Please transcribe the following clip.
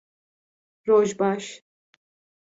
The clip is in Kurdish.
- Roj baş.